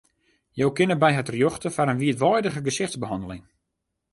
Jo kinne by har terjochte foar in wiidweidige gesichtsbehanneling.